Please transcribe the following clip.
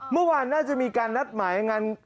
เมื่อวานน่าจะมีการนัดหมายกัน